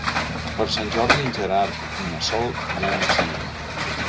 Per Sant Jordi en Gerard i na Sol iran al cinema.